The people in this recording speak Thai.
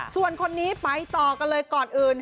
ส่วนคนนี้ไปต่อกันเลยก่อนอื่น